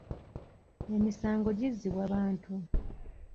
Emisango gizzibwa bantu.